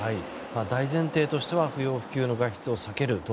大前提としては不要不急の外出を避ける。